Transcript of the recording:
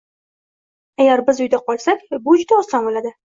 Agar biz uyda qolsak, bu juda oson bo'ladi